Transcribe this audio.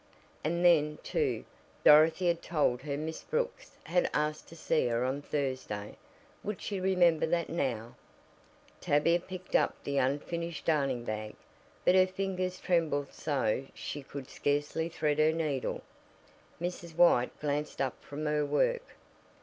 And then, too, Dorothy had told her Miss Brooks had asked to see her on Thursday. Would she remember that now? Tavia picked up the unfinished darning bag, but her fingers trembled so she could scarcely thread her needle. Mrs. White glanced up from her work.